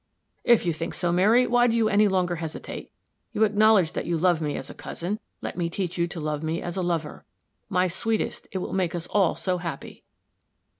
"If you think so, Mary, why do you any longer hesitate? You acknowledge that you love me as a cousin let me teach you to love me as a lover. My sweetest, it will make us all so happy."